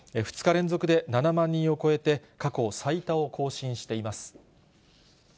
２日連続で７万人を超えて、過去最多を更新しています。